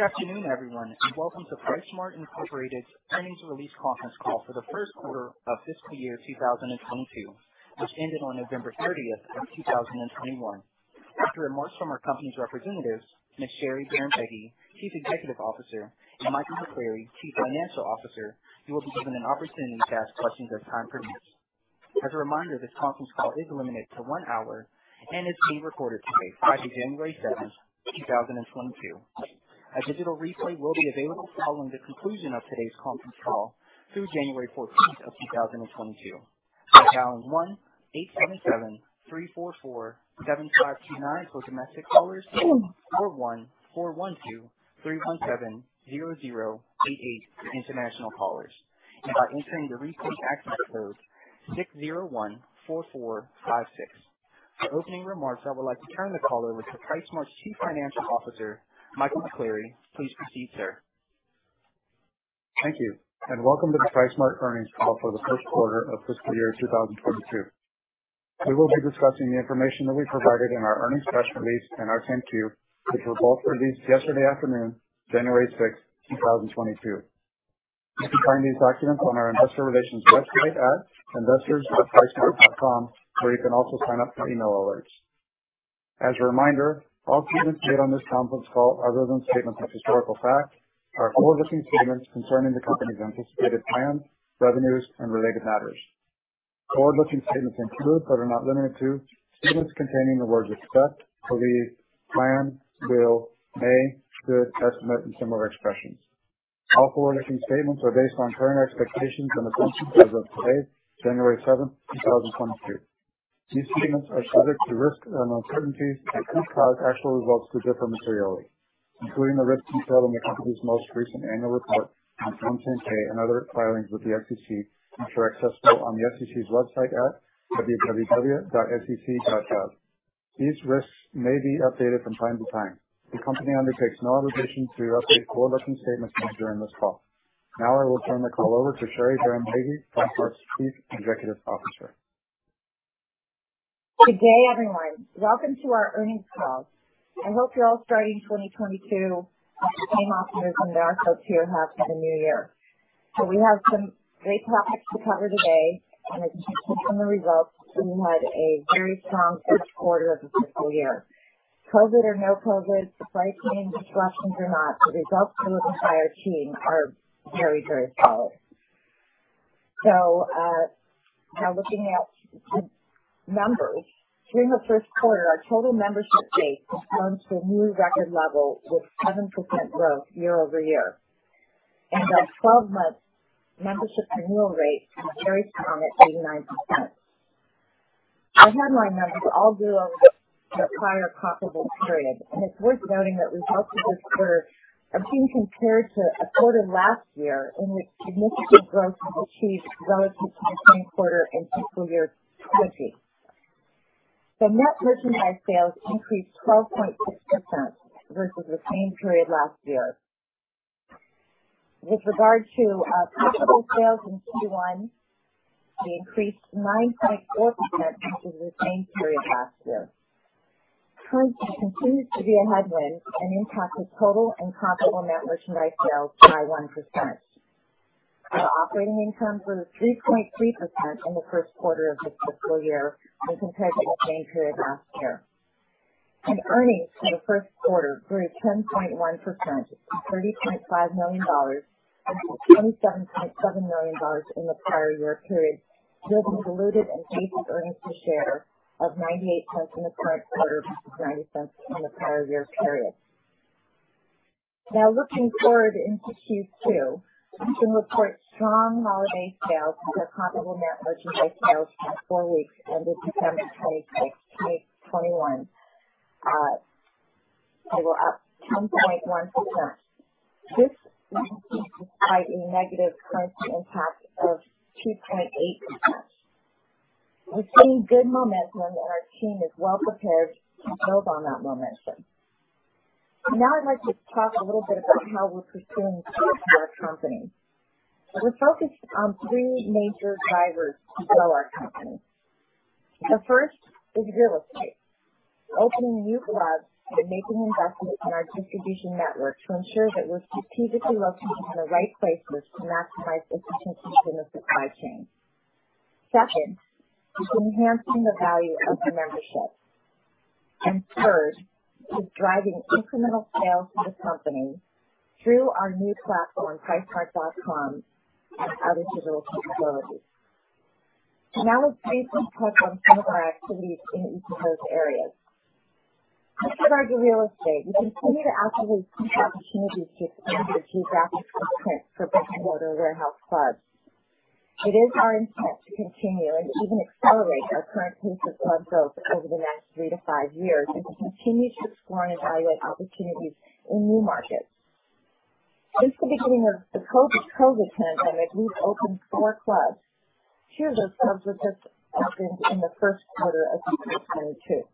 Good afternoon, everyone, and welcome to PriceSmart Incorporated's Earnings Release Conference Call for the first quarter of fiscal year 2022, which ended on November 30, 2021. After remarks from our company's representatives, Ms. Sherry Bahrambeygui, Chief Executive Officer, and Michael McCleary, Chief Financial Officer, you will be given an opportunity to ask questions as time permits. As a reminder, this conference call is limited to one hour and is being recorded today, Friday, January 7, 2022. A digital replay will be available following the conclusion of today's conference call through January 14, 2022.Dial 1,877-344-7590 for domestic callers. Call 1,412-317-0088 for international callers. About entering the recall access code,601-4456. For opening remarks, I would like to turn the call over to PriceSmart's Chief Financial Officer, Michael McCleary. Please proceed, sir. Thank you, and welcome to the PriceSmart earnings call for the first quarter of fiscal year 2022. We will be discussing the information that we provided in our earnings press release and our 10-Q, which were both released yesterday afternoon, January 6, 2022. You can find these documents on our investor relations website at investors.pricesmart.com, where you can also sign up for email alerts. As a reminder, all statements made on this conference call, other than statements of historical fact, are forward-looking statements concerning the company's anticipated plans, revenues and related matters. Forward-looking statements include, but are not limited to, statements containing the words expect, believe, plan, will, may, could, estimate, and similar expressions. All forward-looking statements are based on current expectations and assumptions as of today, January 7, 2022. These statements are subject to risks and uncertainties that could cause actual results to differ materially, including the risks detailed in the company's most recent annual report on Form 10-K and other filings with the SEC, which are accessible on the SEC's website at www.sec.gov. These risks may be updated from time to time. The company undertakes no obligation to update forward-looking statements made during this call. Now I will turn the call over to Sherry Bahrambeygui, PriceSmart's Chief Executive Officer. Good day, everyone. Welcome to our earnings call. I hope you're all starting 2022 with the same optimism that our folks here have for the new year. We have some great topics to cover today, and as you can see from the results, we had a very strong first quarter of the fiscal year. COVID or no COVID, supply chain disruptions or not, the results from this entire team are very, very solid. Now looking at the numbers. During the first quarter, our total membership base has grown to a new record level with 7% growth year-over-year. Our 12-month membership renewal rate is very strong at 89%. Our headline numbers all grew over the prior comparable period, and it's worth noting that results for this quarter have been compared to a quarter last year in which significant growth was achieved relative to the same quarter in fiscal year 2020. The net merchandise sales increased 12.6% versus the same period last year. With regard to comparable sales in Q1, we increased 9.4% versus the same period last year. Currency continued to be a headwind and impacted total and comparable net merchandise sales by 1%. Our operating income was 3.3% in the first quarter of this fiscal year when compared to the same period last year. Earnings for the Q1 grew 10.1% to $30.5 million from $27.7 million in the prior year period, yielding diluted and basic earnings per share of $0.98 in the current quarter versus $0.90 in the prior year period. Now looking forward into Q2, we can report strong holiday sales with our comparable net merchandise sales for four weeks ended December 26, 2021, they were up 10.1%. This was despite a negative currency impact of 2.8%. We're seeing good momentum, and our team is well prepared to build on that momentum. Now, I'd like to talk a little bit about how we're pursuing growth for our company. We're focused on three major drivers to grow our company. The first is real estate. We're opening new clubs and making investments in our distribution network to ensure that we're strategically located in the right places to maximize efficiency in the supply chain. Second is enhancing the value of the membership. Third is driving incremental sales for the company through our new platform, pricesmart.com, and other digital capabilities. Now let's briefly touch on some of our activities in each of those areas. With regard to real estate, we continue to actively seek opportunities to expand our geographic footprint for brick-and-mortar warehouse clubs. It is our intent to continue and even accelerate our current pace of club growth over the next 3-5 years as we continue to explore and evaluate opportunities in new markets. Since the beginning of the COVID pandemic, we've opened 4 clubs. Two of those clubs were just opened in the Q1 of 2022.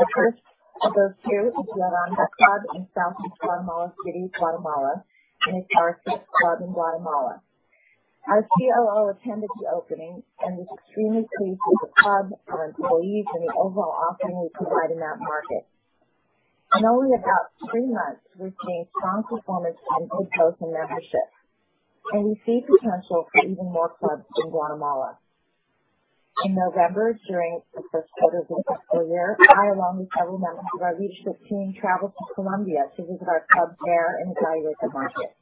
The first of those two is Guatemala Club in southwest Guatemala City, Guatemala, and it's our sixth club in Guatemala. Our COO attended the opening and was extremely pleased with the club, our employees, and the overall offering we provide in that market. In only about three months, we've seen strong performance and good growth in membership, and we see potential for even more clubs in Guatemala. In November, during the first quarter of the fiscal year, I, along with several members of our regional team, traveled to Colombia to visit our clubs there and evaluate the market.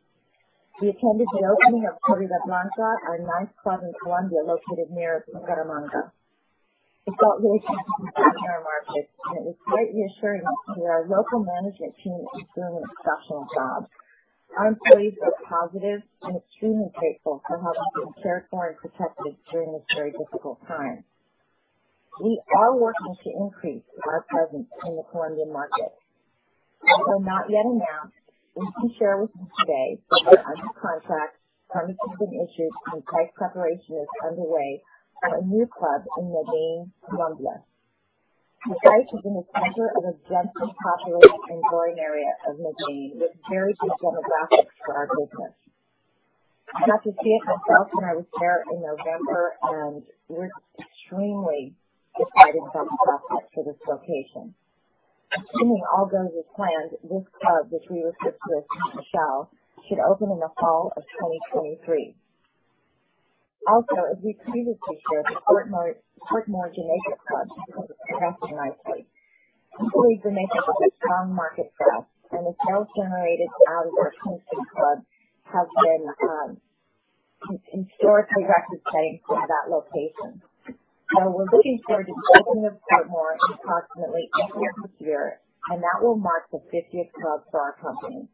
We attended the opening of Club Montelíbano, our ninth club in Colombia, located near Montería. We felt great passion for that market, and it was greatly assuring that our local management team is doing an exceptional job. Our employees are positive and extremely grateful for how they've been cared for and protected during this very difficult time. We are working to increase our presence in the Colombian market. Although not yet announced, we can share with you today that we're under contract, permits have been issued, and site preparation is underway on a new club in Medellín, Colombia. The site is in the center of a densely populated and growing area of Medellín with very good demographics for our business. I got to see it myself when I was there in November, and we're extremely excited about the prospect for this location. Assuming all goes as planned, this club, which we refer to as Medellín, should open in the fall of 2023. Also, as we previously shared, the Portmore Jamaica club is progressing nicely. We believe Jamaica has a strong market growth, and the sales generated out of our Kingston club have been historically record-setting for that location. We're looking forward to breaking ground on Portmore approximately a year from here, and that will mark the fiftieth club for our company.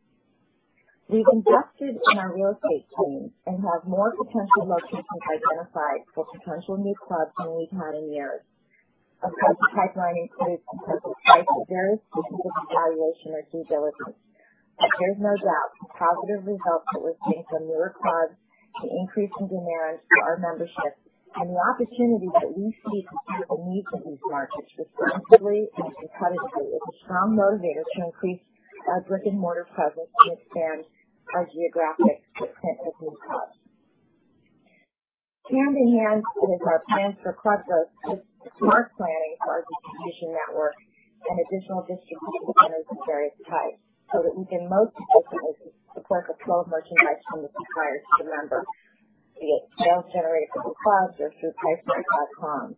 We've invested in our real estate team and have more potential locations identified for potential new clubs in the coming years. Approach to site finding includes intensive site surveys to conduct evaluation or due diligence. There's no doubt the positive results that we're seeing from newer clubs, the increase in demand for our membership, and the opportunities that we see to serve the needs of these markets responsibly and competitively is a strong motivator to increase our brick-and-mortar presence and expand our geographic footprint with new clubs. Hand in hand with our plans for club growth is smart planning for our distribution network and additional distribution centers of various types so that we can most efficiently support the flow of merchandise from the supplier to the member, be it sales generated through clubs or through pricesmart.com.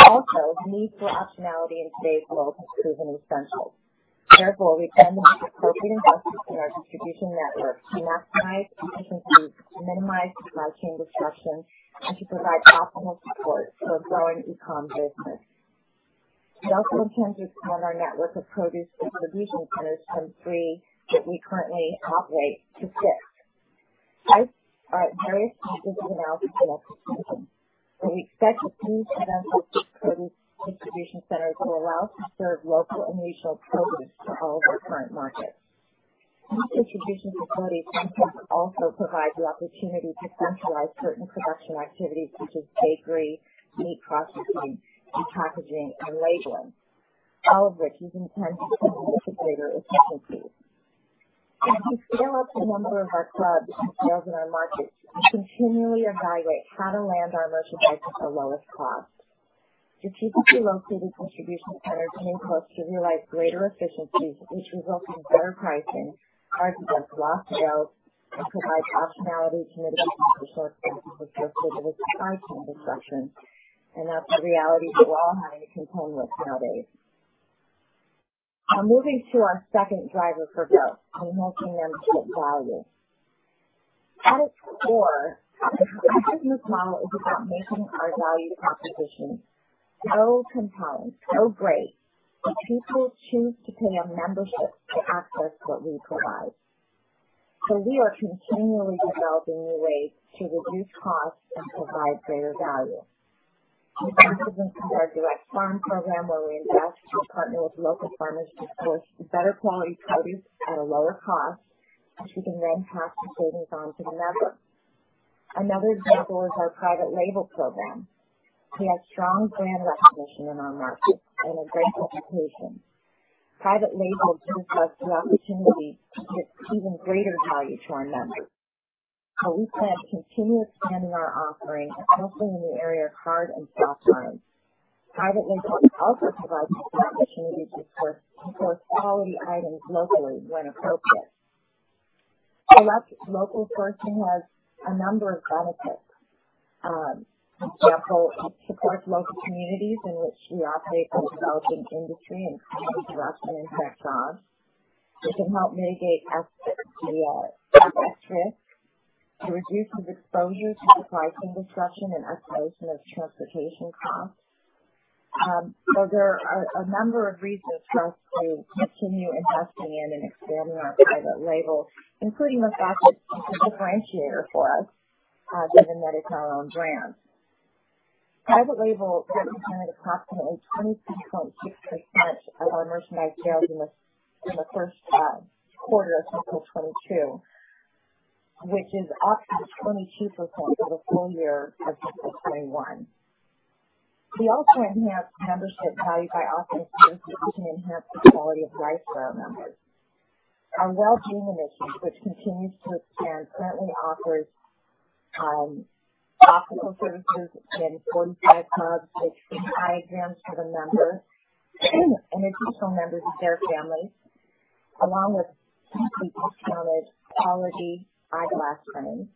Also, the need for optionality in today's world has proven essential. Therefore, we plan the most appropriate investments in our distribution network to maximize efficiency, to minimize supply chain disruptions, and to provide optimal support for a growing e-com business. We also intend to expand our network of produce distribution centers from three that we currently operate to six. Sites are at various stages of analysis and selection. We expect that these additional 6 produce distribution centers will allow us to serve local and regional programs to all of our current markets. These distribution facilities sometimes also provide the opportunity to centralize certain production activities, such as bakery, meat processing, and packaging, and labeling, all of which we think can lead to greater efficiency. As we scale up the number of our clubs and sales in our markets, we continually evaluate how to land our merchandise at the lowest cost. Strategically located distribution centers can help us to realize greater efficiencies, which result in better pricing, harder to get lost sales, and provide optionality to mitigate the shortcomings associated with supply chain disruptions. That's a reality that we're all having to contend with nowadays. Now moving to our second driver for growth, enhancing membership value. At its core, the club business model is about making our value proposition so compelling, so great that people choose to pay a membership to access what we provide. We are continually developing new ways to reduce costs and provide greater value. This has been through our direct farm program, where we invest to partner with local farmers to source better quality produce at a lower cost, which we can then pass the savings on to the member. Another example is our private label program. We have strong brand recognition in our markets and a great reputation. Private label gives us the opportunity to give even greater value to our members. We plan to continue expanding our offering, especially in the area of hard and soft lines. Private label also provides us the opportunity to source quality items locally when appropriate. Select local sourcing has a number of benefits. For example, it supports local communities in which we operate and develops an industry and creates jobs and impacts jobs. It can help mitigate access to our access risk. It reduces exposure to supply chain disruption and escalation of transportation costs. There are a number of reasons for us to continue investing in and expanding our private label, including the fact that it's a differentiator for us, given that it's our own brand. Private label represented approximately 26.6% of our merchandise sales in the Q1 of 2022, which is up from 22% for the full year of 2021. We also enhance membership value by offering services that can enhance the quality of life for our members. Our wellbeing initiatives, which continues to expand, currently offers optical services in 45 clubs, which include eye exams for the members and additional members of their families, along with deeply discounted quality eyeglass frames.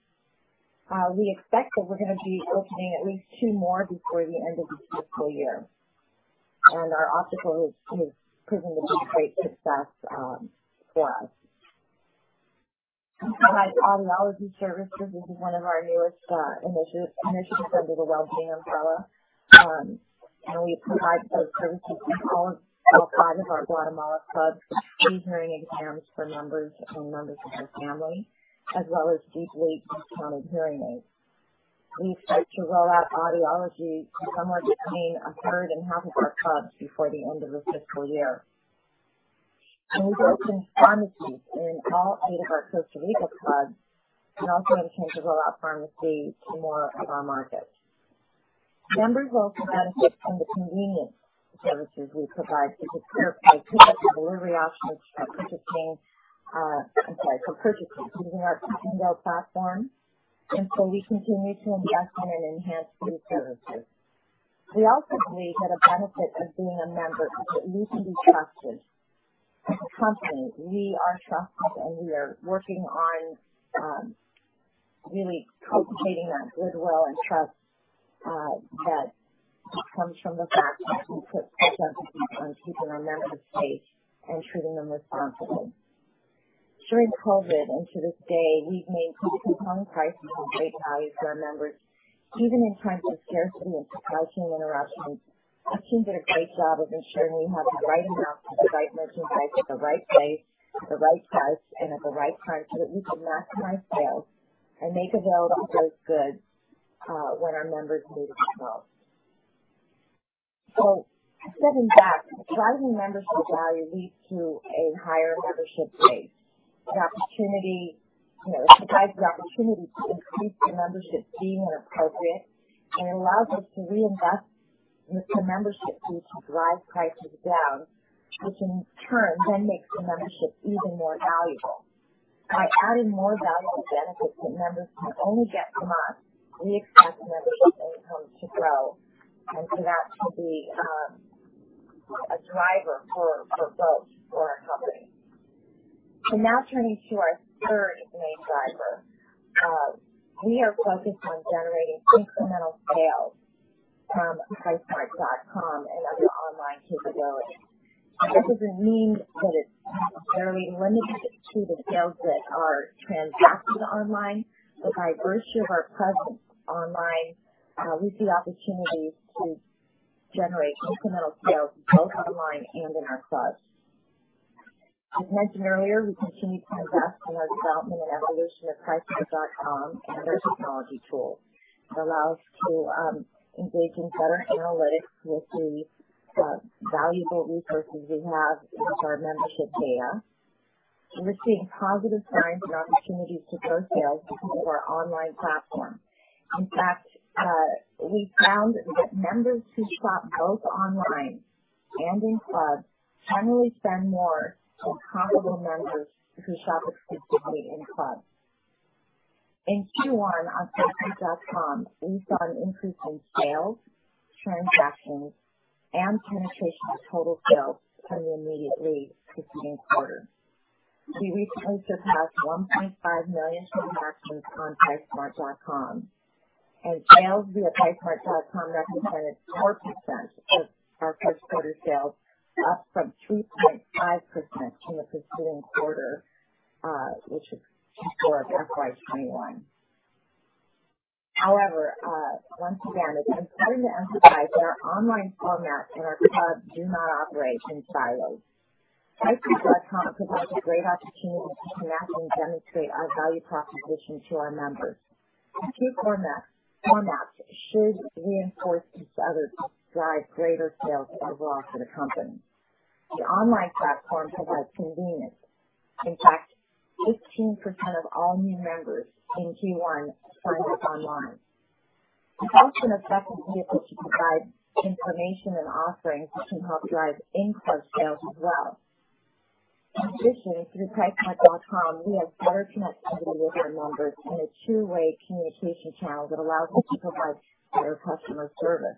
We expect that we're gonna be opening at least two more before the end of this fiscal year. Our optical has proven to be a great success for us. We provide audiology services. This is one of our newest initiatives under the wellbeing umbrella. We provide those services in all five of our Guatemala clubs, free hearing exams for members and members of their family, as well as deeply discounted hearing aids. We expect to roll out audiology to somewhere between a third and half of our clubs before the end of the fiscal year. We've opened pharmacies in all eight of our Costa Rica clubs and also intend to roll out pharmacy to more of our markets. Members also benefit from the convenience services we provide, such as curbside pick-up and delivery options for purchases using our Click & Go platform. We continue to invest in and enhance these services. We also believe that a benefit of being a member is that we can be trusted. As a company, we are trusted, and we are working on really cultivating that goodwill and trust that comes from the fact that we put such emphasis on keeping our members safe and treating them responsibly. During COVID and to this day, we've maintained competitive pricing and great value for our members. Even in times of scarcity and supply chain interruptions, our team did a great job of ensuring we had the right amount of the right merchandise at the right place, at the right price, and at the right time, so that we could maximize sales and make available those goods when our members needed them most. In fact, driving membership value leads to a higher membership base, an opportunity, you know, provides an opportunity to increase the membership fee when appropriate, and it allows us to reinvest the membership fees to drive prices down, which in turn then makes the membership even more valuable. By adding more valuable benefits that members can only get from us, we expect membership incomes to grow, and for that to be a driver for both for our company. Now turning to our third main driver. We are focused on generating incremental sales from pricesmart.com and other online capabilities. This doesn't mean that it's necessarily limited to the sales that are transacted online, but by virtue of our presence online, we see opportunities to generate incremental sales both online and in our clubs. As mentioned earlier, we continue to invest in our development and evolution of pricesmart.com and other technology tools that allow us to engage in better analytics with the valuable resources we have with our membership data. We're seeing positive signs and opportunities to grow sales through our online platform. In fact, we found that members who shop both online and in clubs generally spend more than comparable members who shop exclusively in clubs. In Q1, on pricesmart.com, we saw an increase in sales, transactions, and penetration of total sales from the immediately preceding quarter. We recently surpassed 1.5 million transactions on pricesmart.com. Sales via pricesmart.com represented 4% of our first quarter sales, up from 2.5% in the preceding quarter, which is fiscal FY 2021. However, once again, it's important to emphasize that our online format and our clubs do not operate in silos. Pricesmart.com provides a great opportunity to connect and demonstrate our value proposition to our members. The two formats should reinforce each other to drive greater sales overall for the company. The online platform provides convenience. In fact, 15% of all new members in Q1 signed up online. It's also an effective vehicle to provide information and offerings that can help drive in-club sales as well. In addition, through pricesmart.com, we have better connectivity with our members and a two-way communication channel that allows us to provide better customer service.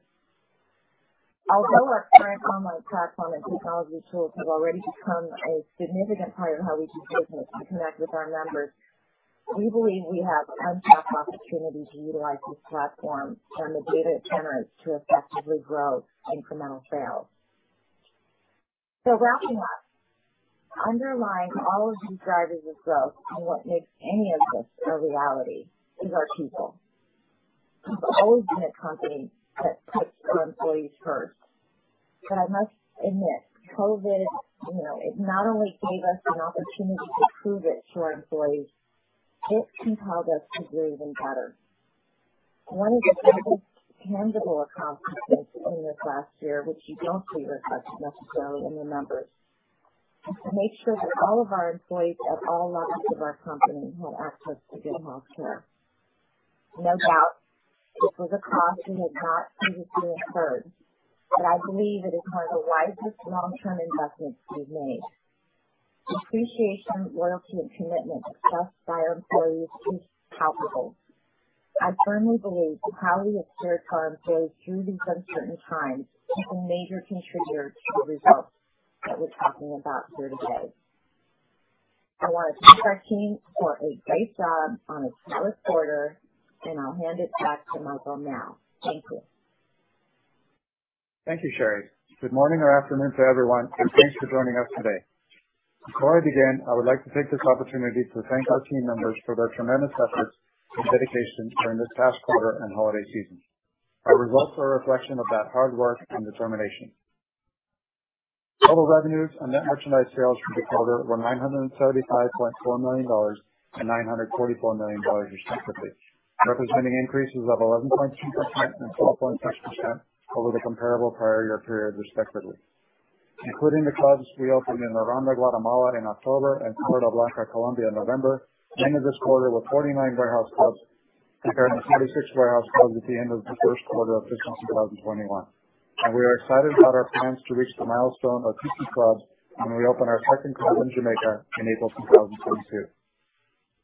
Although our current online platform and technology tools have already become a significant part of how we do business to connect with our members, we believe we have untapped opportunity to utilize this platform and the data it generates to effectively grow incremental sales. Wrapping up, underlying all of these drivers of growth and what makes any of this a reality is our people. We've always been a company that puts our employees first. I must admit, COVID, you know, it not only gave us an opportunity to prove it to our employees, it compelled us to do even better. One of the most tangible accomplishments in this last year, which you don't see reflected necessarily in the numbers. To make sure that all of our employees at all levels of our company have access to good healthcare. No doubt, this was a cost we had not previously incurred, but I believe it is one of the wisest long-term investments we've made. Appreciation, loyalty, and commitment expressed by our employees is palpable. I firmly believe how we have steered the company through these uncertain times is a major contributor to the results that we're talking about here today. I wanna thank our team for a great job on a stellar quarter, and I'll hand it back to Michael now. Thank you. Thank you, Sherry. Good morning or afternoon to everyone, and thanks for joining us today. Before I begin, I would like to take this opportunity to thank our team members for their tremendous efforts and dedication during this past quarter and holiday season. Our results are a reflection of that hard work and determination. Total revenues and net merchandise sales for the quarter were $975.4 million and $944 million, respectively, representing increases of 11.2% and 12.6% over the comparable prior year period, respectively. Including the clubs we opened in El Frutal, Guatemala in October and Montelíbano, Colombia in November, we ended this quarter with 49 warehouse clubs compared to 36 warehouse clubs at the end of the Q1 of fiscal 2021. We are excited about our plans to reach the milestone of 50 clubs when we open our second club in Jamaica in April 2022.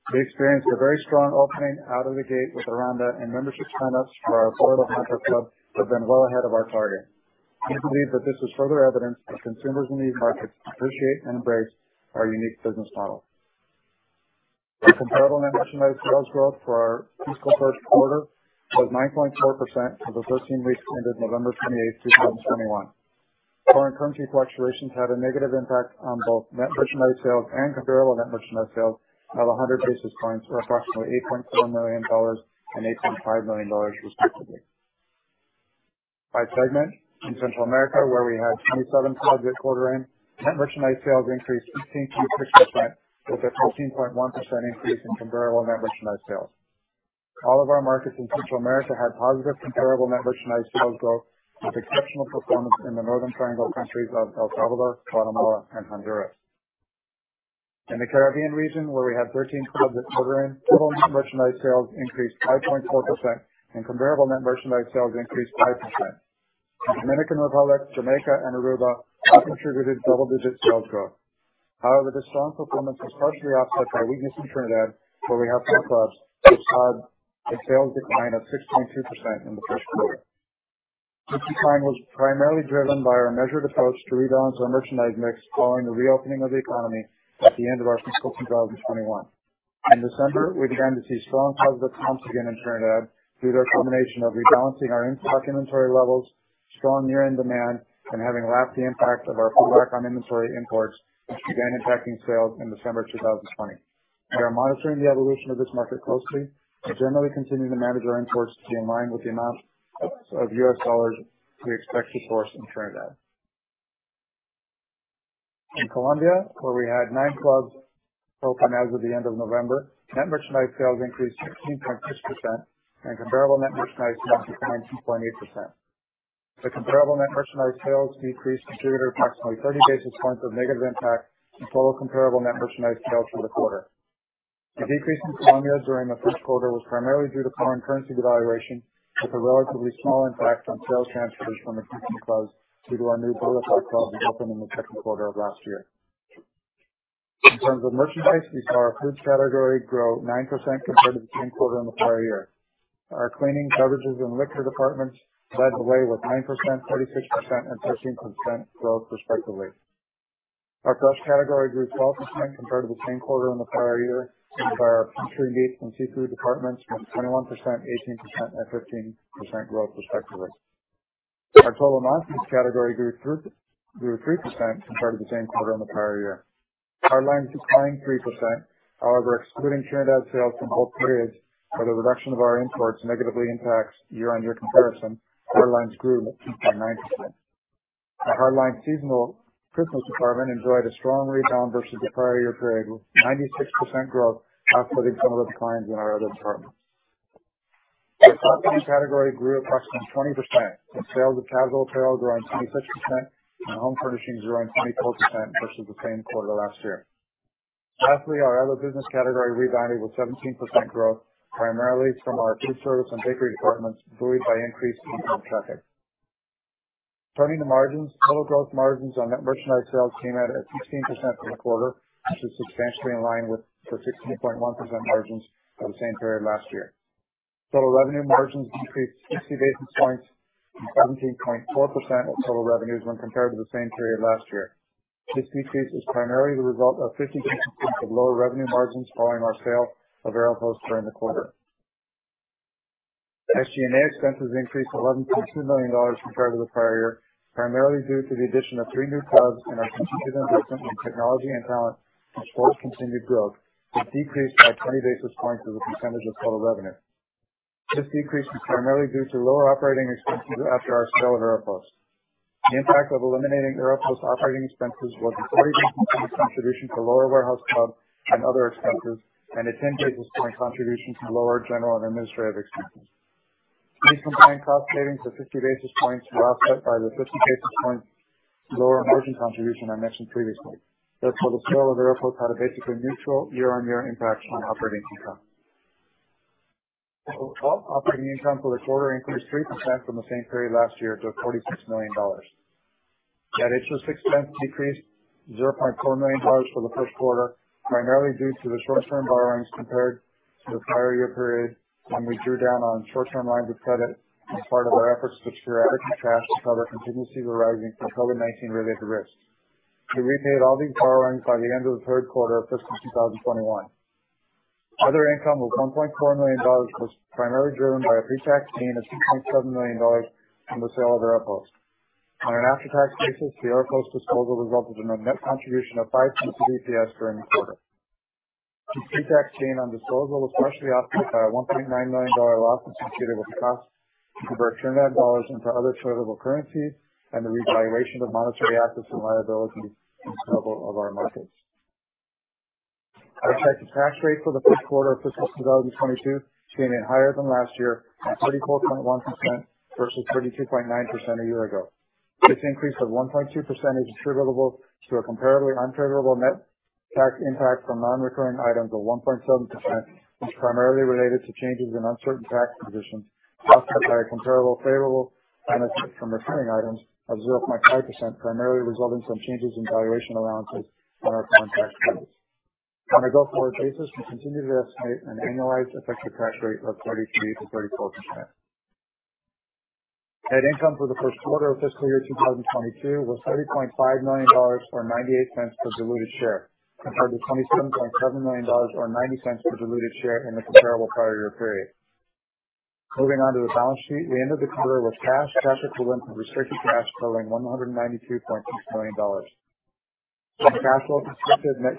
We experienced a very strong opening out of the gate with Aranda, and membership sign-ups for our Puerto Blanca club have been well ahead of our target. We believe that this is further evidence that consumers in these markets appreciate and embrace our unique business model. The comparable net merchandise sales growth for our fiscal Q1 was 9.4% for the 13 weeks ended November 28, 2021. Foreign currency fluctuations had a negative impact on both net merchandise sales and comparable net merchandise sales of 100 basis points or approximately $8.4 million and $8.5 million, respectively. By segment, in Central America, where we had 27 clubs at quarter end, net merchandise sales increased 18.6%, with a 13.1% increase in comparable net merchandise sales. All of our markets in Central America had positive comparable net merchandise sales growth, with exceptional performance in the Northern Triangle countries of El Salvador, Guatemala, and Honduras. In the Caribbean region, where we had 13 clubs at quarter end, total net merchandise sales increased 5.4% and comparable net merchandise sales increased 5%. The Dominican Republic, Jamaica, and Aruba all contributed double-digit sales growth. However, this strong performance was partially offset by weakness in Trinidad, where we have four clubs, which had a sales decline of 6.2% in the Q1. This decline was primarily driven by our measured approach to rebalance our merchandise mix following the reopening of the economy at the end of our fiscal 2021. In December, we began to see strong positive comps again in Trinidad due to a combination of rebalancing our in-stock inventory levels, strong year-end demand, and having lapped the impact of our pullback on inventory imports, which began impacting sales in December 2020. We are monitoring the evolution of this market closely, but generally continuing to manage our imports to be in line with the amount of US dollars we expect to source in Trinidad. In Colombia, where we had nine clubs open as of the end of November, net merchandise sales increased 16.6% and comparable net merchandise sales declined 2.8%. The comparable net merchandise sales decrease contributed approximately 30 basis points of negative impact to total comparable net merchandise sales for the quarter. The decrease in Colombia during the first quarter was primarily due to foreign currency devaluation, with a relatively small impact on sales transfers from existing clubs due to our new Américas club we opened in the Q2 of last year. In terms of merchandise, we saw our foods category grow 9% compared to the same quarter in the prior year. Our cleaning, beverages, and liquor departments led the way with 9%, 36%, and 13% growth, respectively. Our fresh category grew 12% compared to the same quarter in the prior year, with our poultry, meat, and seafood departments with 21%, 18%, and 15% growth, respectively. Our total non-foods category grew 3% compared to the same quarter in the prior year. Hardline declined 3%. However, excluding Trinidad sales from both periods, where the reduction of our imports negatively impacts year-on-year comparison, Hardline's grew at 2.9%. Our Hardline seasonal Christmas department enjoyed a strong rebound versus the prior year period, with 96% growth, offsetting some of the declines in our other departments. The home category grew approximately 20%, with sales of casual apparel growing 26% and home furnishings growing 24% versus the same quarter last year. Lastly, our other business category rebounded with 17% growth, primarily from our food service and bakery departments, buoyed by increased on-site traffic. Turning to margins, total gross margins on net merchandise sales came out at 16% for the quarter, which is substantially in line with the 16.1% margins for the same period last year. Total gross margins decreased 60 basis points from 17.4% of total revenues when compared to the same period last year. This decrease is primarily the result of 50 basis points of lower gross margins following our sale of Aeropost during the quarter. SG&A expenses increased $11.2 million compared to the prior year, primarily due to the addition of three new clubs and our continued investment in technology and talent to support continued growth. This decreased by 20 basis points as a percentage of total revenue. This decrease is primarily due to lower operating expenses after our sale of Aeropost. The impact of eliminating Aeropost's operating expenses was a 40 basis points contribution to lower warehouse clubs and other expenses and a 10 basis points contribution to lower general and administrative expenses. These combined cost savings of 50 basis points were offset by the 50 basis points lower margin contribution I mentioned previously. Therefore, the sale of Aeropost had a basically neutral year-on-year impact on operating income. Operating income for the quarter increased 3% from the same period last year to $46 million. Net interest expense decreased $0.4 million for the first quarter, primarily due to the short-term borrowings compared to the prior year period when we drew down on short-term lines of credit as part of our efforts to strategically cash to cover contingency arising from COVID-19 related risks. We repaid all these borrowings by the end of the third quarter of fiscal 2021. Other income was $1.4 million, was primarily driven by a pretax gain of $2.7 million from the sale of Aeropost. On an after-tax basis, the Aeropost disposal resulted in a net contribution of $0.05 EPS during the quarter. The pretax gain on disposal was partially offset by a $1.9 million loss associated with the cost to convert Trinidad dollars into other tradable currencies and the revaluation of monetary assets and liabilities in several of our markets. Our effective tax rate for the Q1 of fiscal 2022 came in higher than last year at 34.1% versus 32.9% a year ago. This increase of 1.2% is attributable to a comparably unfavorable net tax impact from non-recurring items of 1.7%, which primarily related to changes in uncertain tax positions, offset by a comparable favorable benefit from recurring items of 0.5%, primarily resulting from changes in valuation allowances on our contract on a go-forward basis. We continue to estimate an annualized effective tax rate of 33%-34%. Net income for the Q1 of fiscal year 2022 was $30.5 million or $0.98 per diluted share, compared to $27.7 million or $0.90 per diluted share in the comparable prior year period. Moving on to the balance sheet. We ended the quarter with cash equivalents, and restricted cash totaling $192.6 million. Net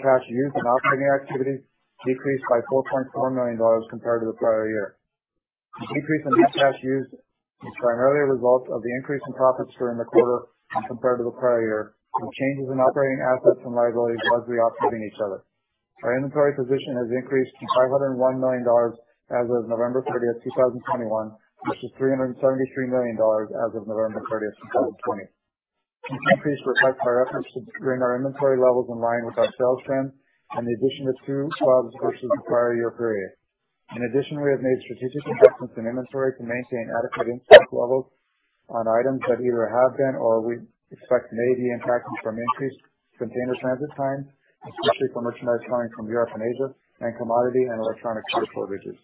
cash used in operating activities decreased by $4.4 million compared to the prior year. The decrease in net cash used is primarily a result of the increase in profits during the quarter when compared to the prior year, with changes in operating assets and liabilities largely offsetting each other. Our inventory position has increased to $501 million as of November 30, 2021, from $373 million as of November 30, 2020. This increase reflects our efforts to bring our inventory levels in line with our sales trend and the addition of two clubs versus the prior year period. In addition, we have made strategic investments in inventory to maintain adequate in-stock levels on items that either have been or we expect may be impacted from increased container transit time, especially for merchandise coming from Europe and Asia and commodity and electronic chip shortages.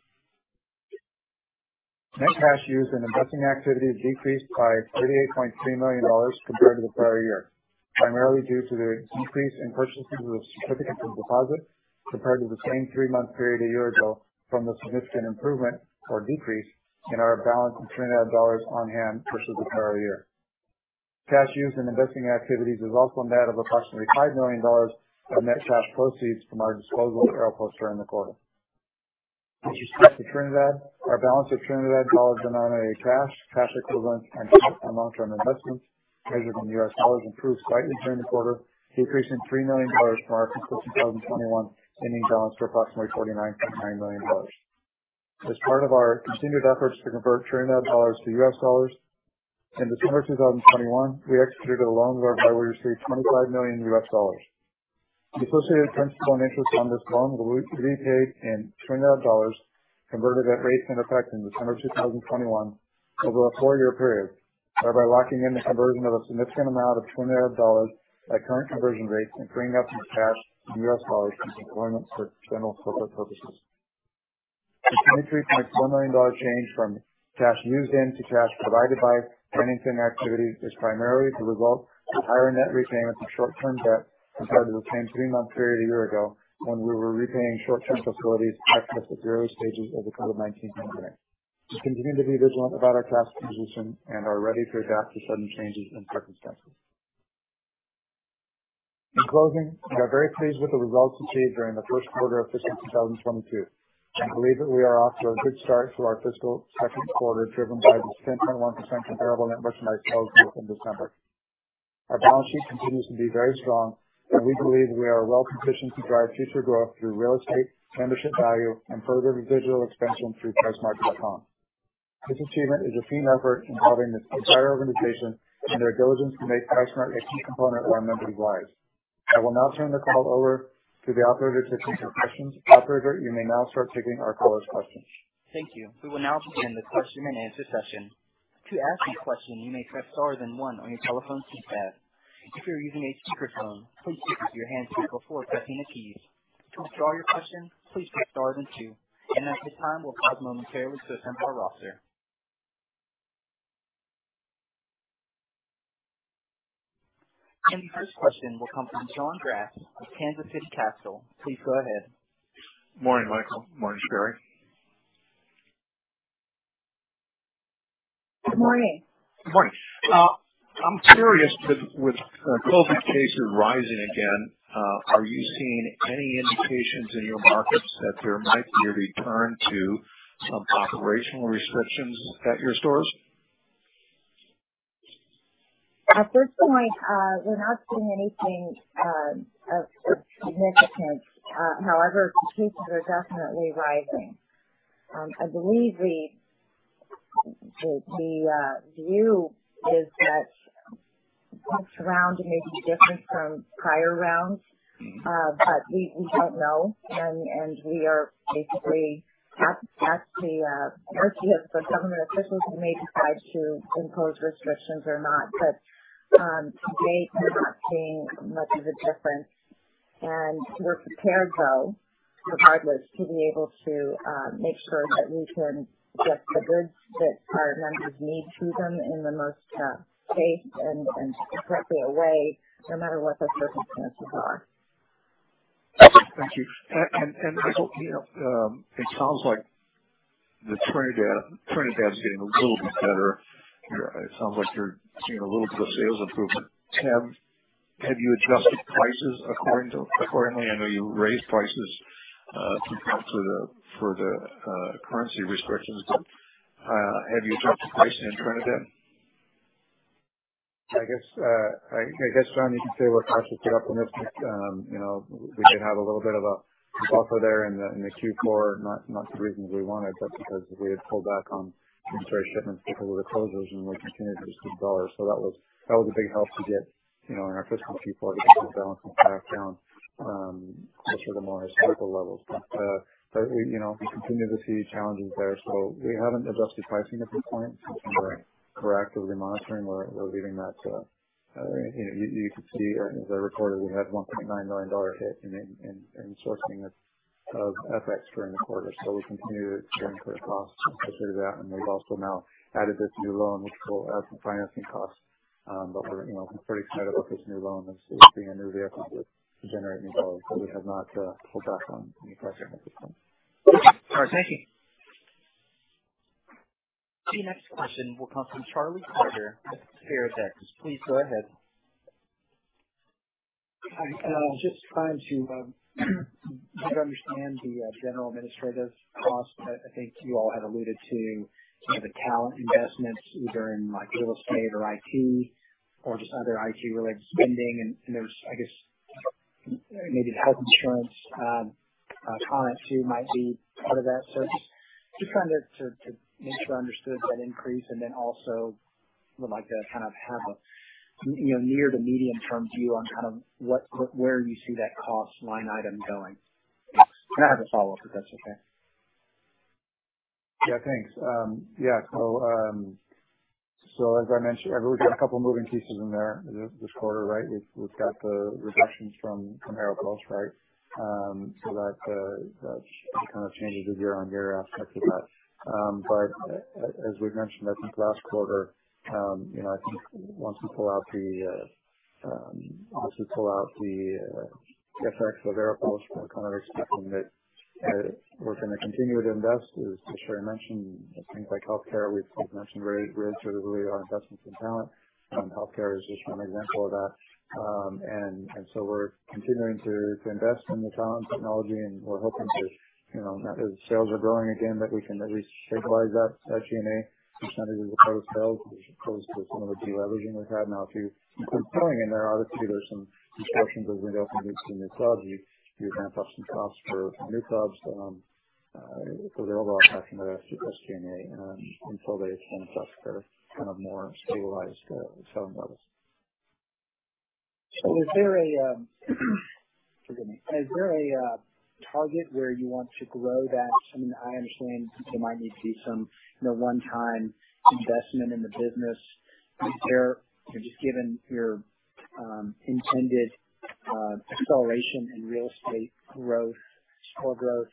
Net cash used in investing activities decreased by $38.3 million compared to the prior year, primarily due to the increase in purchases of certificates of deposit compared to the same 3-month period a year ago from the significant improvement or decrease in our balance of Trinidad dollars on hand versus the prior year. Cash used in investing activities is also net of approximately $5 million of net cash proceeds from our disposal of Aeropost during the quarter. With respect to Trinidad, our balance of Trinidad dollar-denominated cash equivalents, and investment long-term investments measured in US dollars improved slightly during the quarter, decreasing $3 million from our fiscal 2021 ending balance to approximately $49.9 million. As part of our continued efforts to convert Trinidad dollars to US dollars, in December 2021, we executed a loan whereby we received $25 million. The associated principal and interest on this loan will be paid in Trinidad dollars, converted at rates in effect in December 2021 over a four-year period, thereby locking in the conversion of a significant amount of Trinidad dollars at current conversion rates and freeing up some cash in US dollars for deployment for general corporate purposes. The $23.4 million change from cash used in to cash provided by operating activities is primarily the result of higher net repayments of short-term debt compared to the same three-month period a year ago when we were repaying short-term facilities accessed at the early stages of the COVID-19 pandemic. We continue to be vigilant about our cash position and are ready to adapt to sudden changes in circumstances. In closing, we are very pleased with the results achieved during the first quarter of fiscal 2022 and believe that we are off to a good start for our fiscal second quarter, driven by the 6.1% comparable net merchandise sales growth in December. Our balance sheet continues to be very strong and we believe we are well-positioned to drive future growth through real estate, membership value, and further digital expansion through pricesmart.com. This achievement is a team effort involving this entire organization and their diligence to make PriceSmart a key component of our members' lives. I will now turn the call over to the operator to take your questions. Operator, you may now start taking our callers' questions. Thank you. We will now begin the question and answer session. To ask a question, you may press star then one on your telephone keypad. If you're using a speakerphone, please mute your handset before pressing the keys. To withdraw your question, please press star then two. At this time, we'll pause momentarily to attend to our roster. The first question will come from Jon Braatz of Kansas City Capital Associates. Please go ahead. Morning, Michael. Morning, Sherry. Good morning. Good morning. I'm curious with COVID cases rising again, are you seeing any indications in your markets that there might be a return to some operational restrictions at your stores? At this point, we're not seeing anything of significance. However, cases are definitely rising. I believe the view is that this round may be different from prior rounds, but we don't know. We basically have to wait to see if the government officials may decide to impose restrictions or not. To date, we're not seeing much of a difference. We're prepared, though, regardless, to be able to make sure that we can get the goods that our members need to them in the most safe and effective way, no matter what the circumstances are. Thank you. I hope, you know, it sounds like Trinidad is getting a little bit better. It sounds like you're seeing a little bit of sales improvement. Have you adjusted prices accordingly? I know you raised prices to counter the currency restrictions, but have you adjusted pricing in Trinidad? I guess, John, you can say we're priced to get up in this. You know, we did have a little bit of a buffer there in the Q4. Not for the reasons we wanted, but because we had pulled back on certain shipments before the closures, and we continued through $6. That was a big help to get, you know, in our fiscal Q4 to get the balance sheet back down to sort of more historical levels. We, you know, we continue to see challenges there. We haven't adjusted pricing at this point. We're actively monitoring. We're leaving that, you know. You could see as I reported, we had $1.9 million hit in sourcing of FX during the quarter. We continue to experience the costs associated with that. We've also now added this new loan, which will add some financing costs. But we're, you know, pretty excited about this new loan as being a new vehicle to generate new growth. We have not pulled back on any pricing at this point. All right. Thank you. The next question will come from Charlie Carter at Ceredex Value Advisors. Please go ahead. Hi. I was just trying to better understand the general administrative costs that I think you all have alluded to, some of the talent investments, either in, like, real estate or IT or just other IT related spending. There's, I guess, maybe the health insurance comment too might be part of that. Just trying to make sure I understood that increase and then also would like to kind of have a, you know, near to medium term view on kind of what where you see that cost line item going. I have a follow-up, if that's okay. Yeah, thanks. As I mentioned, we've got a couple of moving pieces in there this quarter, right? We've got the reductions from Aeropost, right? That kind of changes the year-on-year aspect of that. As we've mentioned, I think last quarter, you know, I think once you pull out the FX for Aeropost, we're kind of expecting that we're gonna continue to invest, as Sherry mentioned, in things like healthcare. We've mentioned we're sort of really on investments in talent, and healthcare is just one example of that. We're continuing to invest in the talent and technology, and we're hoping to, you know, as sales are growing again, that we can at least stabilize that G&A percentage as a part of sales as opposed to some of the deleveraging we've had. Now, if you include filling in, there are obviously some distortions as we open these new clubs. You advance up some costs for new clubs, so they all are factoring that into this G&A until we advance to kind of more stabilized selling levels. Forgive me. Is there a target where you want to grow that? I mean, I understand there might need to be some, you know, one-time investment in the business there. Just given your intended acceleration in real estate growth, store growth,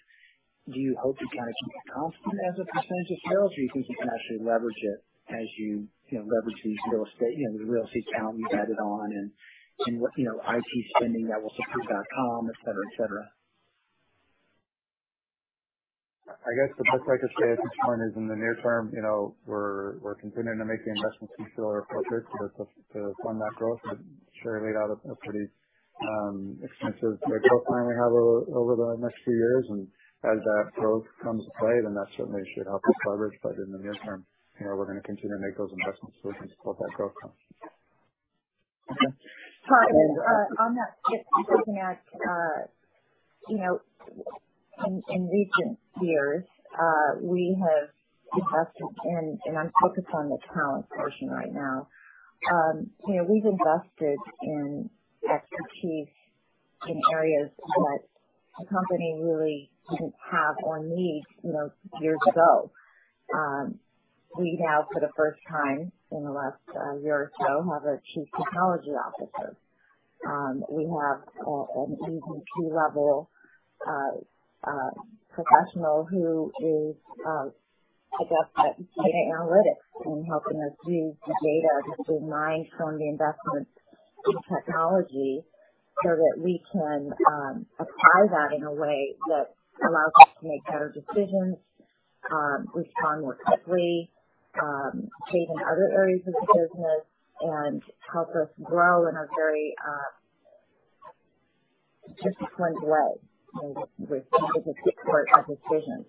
do you hope to kind of keep it constant as a percentage of sales? You think you can actually leverage it as you know, leverage these real estate, you know, the real estate talent you've added on and you know, IT spending that will support dotcom, et cetera. I guess the best way to say it at this point is in the near term, you know, we're continuing to make the investments we feel are appropriate to fund that growth. Sherry laid out a pretty expensive growth plan we have over the next few years. As that growth comes to play, then that certainly should help us leverage. In the near term, you know, we're gonna continue to make those investments so we can support that growth. Hi. On that, just looking at, you know, in recent years, we have invested in, and I'm focused on the talent portion right now. You know, we've invested in expertise in areas that the company really didn't have or need, you know, years ago. We now, for the first time in the last year or so, have a Chief Technology Officer. We have an EVP-level professional who is, I guess, like data analytics and helping us use the data to mine some of the investments in technology so that we can apply that in a way that allows us to make better decisions, respond more quickly, shape in other areas of the business and help us grow in a very just a clean way with executive support and decisions.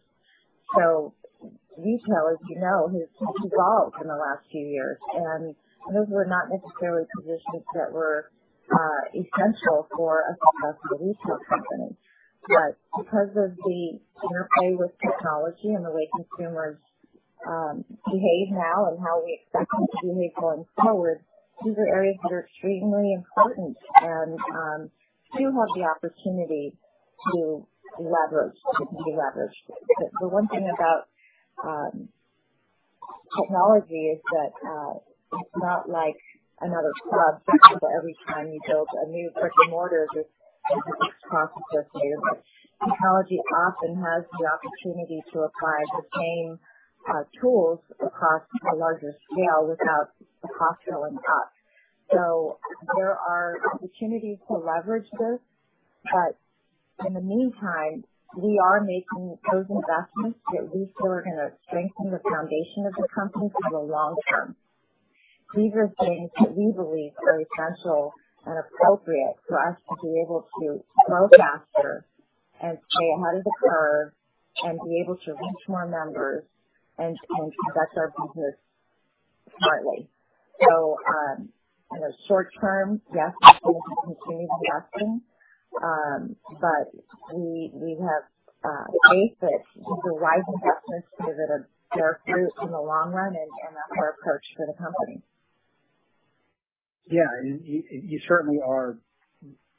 Retail, as you know, has evolved in the last few years, and those were not necessarily positions that were essential for a successful retail company. Because of the interplay with technology and the way consumers behave now and how we expect them to behave going forward, these are areas that are extremely important and do have the opportunity to leverage, to be leveraged. The one thing about technology is that it's not like another club that every time you build a new brick and mortar, there's a process there. Technology often has the opportunity to apply the same tools across a larger scale without the cost going up. There are opportunities to leverage this, but in the meantime, we are making those investments that we feel are gonna strengthen the foundation of the company for the long term. These are things that we believe are essential and appropriate for us to be able to grow faster and stay ahead of the curve and be able to reach more members and conduct our business smartly. In the short term, yes, we will continue investing, but we have faith that with the right investments bear fruit in the long run, and that's our approach for the company. Yeah. You certainly are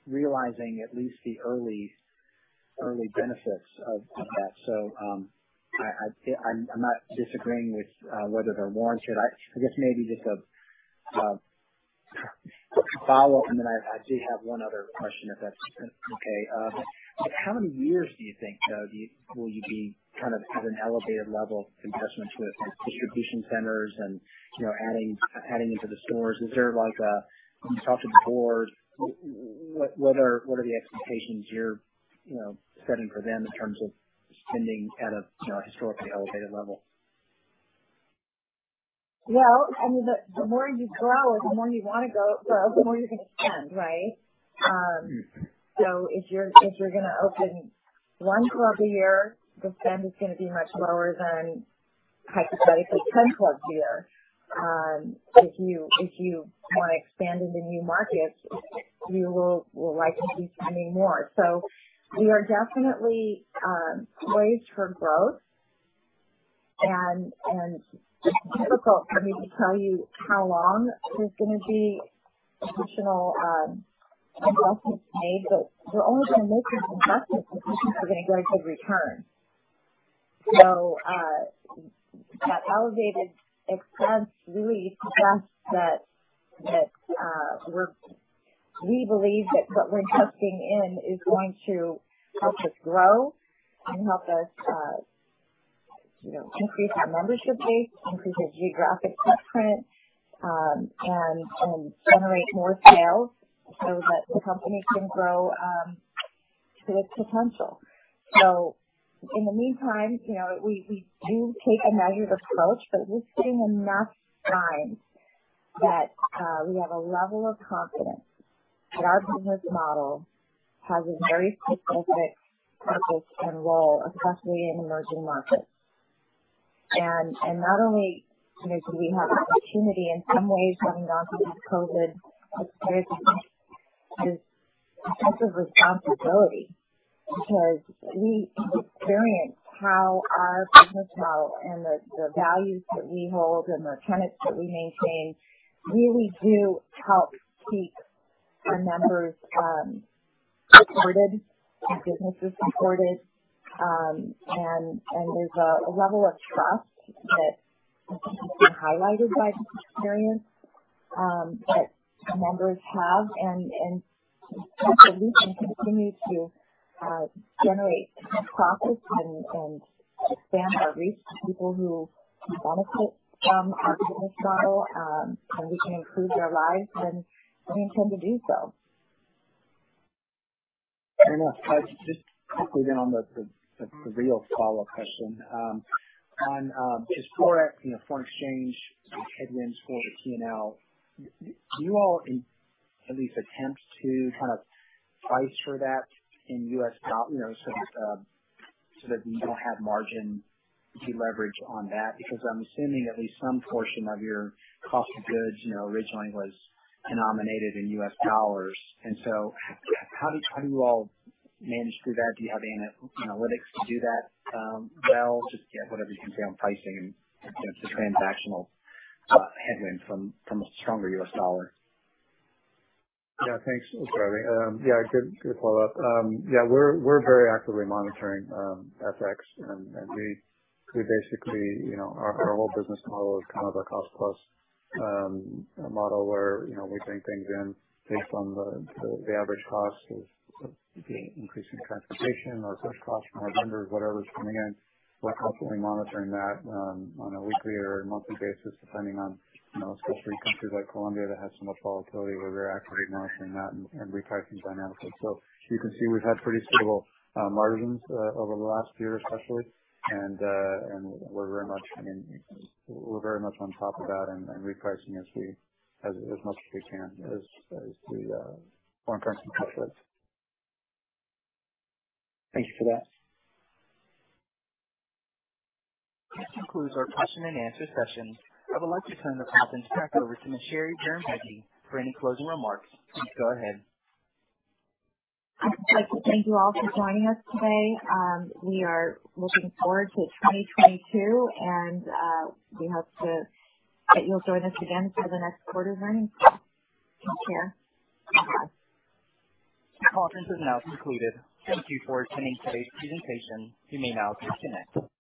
realizing at least the early benefits of that. I'm not disagreeing with whether they're warranted. I guess maybe just a follow and then I do have one other question, if that's okay. How many years do you think, though, will you be kind of at an elevated level of investments with distribution centers and, you know, adding into the stores? You talked to the board. What are the expectations you're, you know, setting for them in terms of spending at a, you know, historically elevated level? Well, I mean, the more you grow, the more you want to grow, the more you're going to spend, right? If you're gonna open one club a year, the spend is gonna be much lower than hypothetically 10 clubs a year. If you want to expand into new markets, you will likely be spending more. We are definitely poised for growth. It's difficult for me to tell you how long there's gonna be additional investments made, but we're only gonna make these investments if we think we're getting a good return. That elevated expense really suggests that we believe that what we're investing in is going to help us grow and help us, you know, increase our membership base, increase our geographic footprint, and generate more sales so that the company can grow to its potential. In the meantime, you know, we do take a measured approach, but we're seeing enough signs that we have a level of confidence that our business model has a very specific purpose and role, especially in emerging markets. Not only do we have opportunity in some ways coming out of this COVID, but there's a sense of responsibility because we experience how our business model and the values that we hold and the tenets that we maintain really do help keep our members supported and businesses supported. There's a level of trust that has been highlighted by this experience, that members have and we can continue to generate profits and expand our reach to people who can benefit from our business model, and we can improve their lives, and we intend to do so. I know. Just quickly then on the real follow-up question. On historical, you know, foreign exchange headwinds for the P&L, do you all at least attempt to kind of price for that in U.S. dollar, you know, so that, so that you don't have margin deleverage on that? Because I'm assuming at least some portion of your cost of goods, you know, originally was denominated in U.S. dollars. How do you all manage through that? Do you have any analytics to do that well? Just yeah whatever you can say on pricing and, you know, the transactional headwind from a stronger U.S. dollar. Yeah, thanks for starting. Yeah, good follow-up. Yeah, we're very actively monitoring FX. We basically, you know, our whole business model is kind of a cost plus model where, you know, we bring things in based on the average cost of the increase in transportation or such costs from our vendors, whatever's coming in. We're constantly monitoring that on a weekly or a monthly basis, depending on, you know, especially countries like Colombia that have so much volatility. We're very actively monitoring that and repricing dynamically. You can see we've had pretty stable margins over the last few years especially. We're very much. I mean, we're very much on top of that and repricing as much as we can as the foreign currency fluctuates. Thank you for that. This concludes our question and answer session. I would like to turn the conference back over to Ms. Sherry Bahrambeygui for any closing remarks. Please go ahead. I'd like to thank you all for joining us today. We are looking forward to 2022, and we hope that you'll join us again for the next quarter earnings. Take care. Bye. The conference is now concluded. Thank you for attending today's presentation. You may now disconnect.